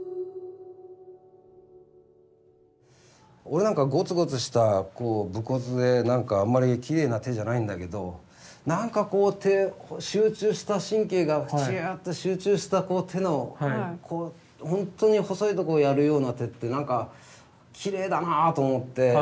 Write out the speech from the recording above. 俺なんかごつごつした武骨でなんかあんまりきれいな手じゃないんだけどなんかこう集中した神経がちゅって集中した手のほんとに細いとこをやるような手ってなんかきれいだなぁと思って。